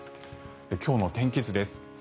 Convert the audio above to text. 今日の天気図です。